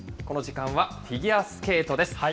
この時間はフィギュアスケートです。